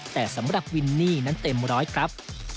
แต่สำหรับวินนี่นั้นเต็มร้อยครับ